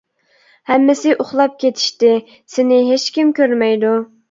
ھەممىسى ئۇخلاپ كېتىشتى سېنى ھېچكىم كۆرمەيدۇ.